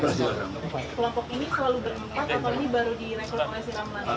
perampok ini selalu berempat atau ini baru direkrut oleh si ramlan